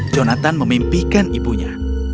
jonathan memimpikan ibunya